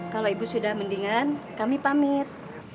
kalau ibu sudah mendingan kami pamit